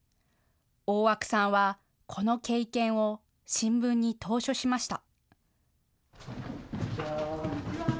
大和久さんはこの経験を新聞に投書しました。